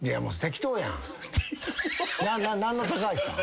何の高橋さん？